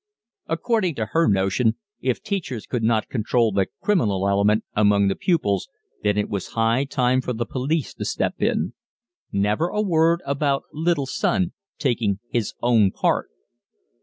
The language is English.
According to her notion, if teachers could not control the "criminal element" among their pupils then it was high time for the police to step in. Never a word about little son taking his own part!